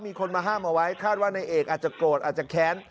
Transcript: มีคนมาห้ามเอาไว้คาดว่านายเอกอาจจะโกรธอาจจะแค้น